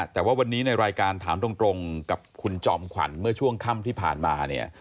แต่ว่าวันนี้ในรายการถามตรงกับคุณจอมขวัญเมื่อช่วงค่ำที่ผ่านมาเนี่ย